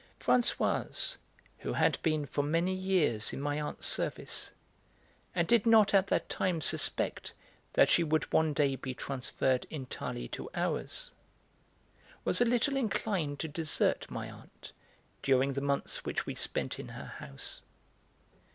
Françoise, who had been for many years in my aunt's service and did not at that time suspect that she would one day be transferred entirely to ours, was a little inclined to desert my aunt during the months which we spent in her house.